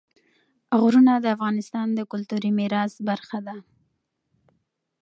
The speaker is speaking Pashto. غرونه د افغانستان د کلتوري میراث برخه ده.